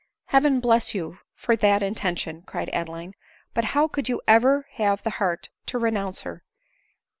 " Heaven bless you for that intention !" cried Ade m line. " But how could you ever have the heart to re nounce her